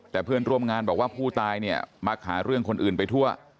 แต่เพื่อนร่วมงานบอกว่าผู้ตายเนี่ยมาหาเรื่องคนอื่นไปทั่ว